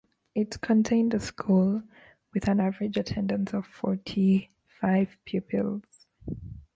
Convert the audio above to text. It contained a school, with an average attendance of forty.five pupils.